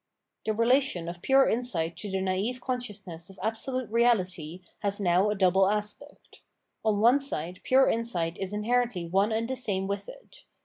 The relation of pure insight to the naive conscious ness of absolute Reahty has now a double aspect. On one side pure insight is inherently one and the same with it.